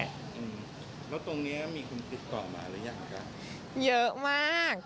แล้วตรงเนี่ยมีคุณผิดก่อมาหรือยังคะ